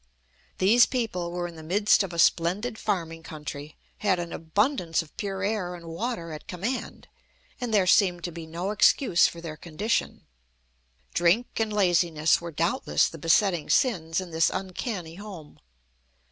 These people were in the midst of a splendid farming country, had an abundance of pure air and water at command, and there seemed to be no excuse for their condition. Drink and laziness were doubtless the besetting sins in this uncanny home.